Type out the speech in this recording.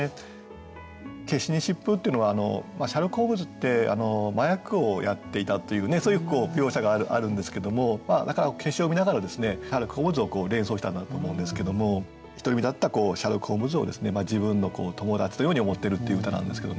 「罌粟に疾風」というのはシャーロック・ホームズって麻薬をやっていたというねそういう描写があるんですけどもだから罌粟を見ながらですねシャーロック・ホームズを連想したんだと思うんですけども独り身だったシャーロック・ホームズを自分の友達のように思ってるっていう歌なんですけどね。